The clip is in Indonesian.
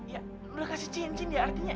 ya udah kasih cincin ya artinya